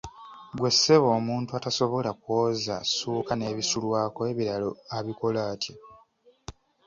Ggwe ssebo omuntu atasobola kwoza ssuuka n'ebisulwako ebirala abikola atya?